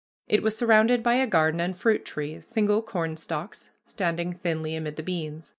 It was surrounded by a garden and fruit trees, single cornstalks standing thinly amid the beans.